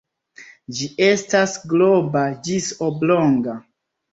Ĝi estas globa ĝis oblonga.